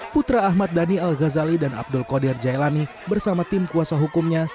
putra ahmad dhani al ghazali dan abdul qadir jailani bersama tim kuasa hukumnya